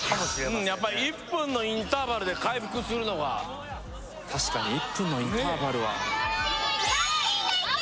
うんやっぱり１分のインターバルで回復するのが確かに１分のインターバルはねえ・